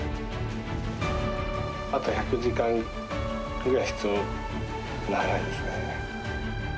あと１００時間ぐらい必要、長いですね。